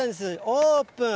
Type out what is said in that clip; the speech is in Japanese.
オープン。